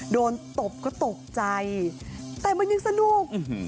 ตบก็ตกใจแต่มันยังสนุก